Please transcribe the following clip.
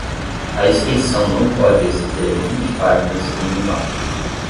A extensão não pode exceder vinte páginas em um lado.